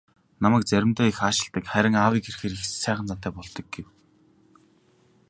"Намайг заримдаа их аашилдаг, харин аавыг ирэхээр их сайхан зантай болдог" гэв.